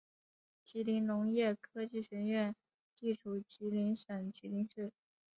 吉林农业科技学院地处吉林省吉林市。